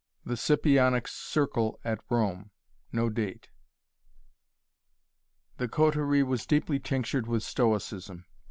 The Scipionic Circle at Rome The coterie was deeply tinctured with Stoicism.